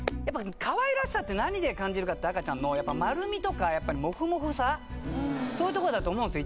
かわいらしさって何で感じるかって赤ちゃんの丸みとかやっぱりモフモフさそういうところだと思うんすよ